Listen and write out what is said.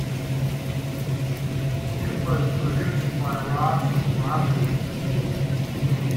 It was produced by Ross Robinson.